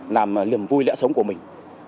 làm niềm vui lẽ sống của mình